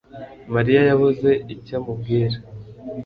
Mariya yabuze icyo amubwira.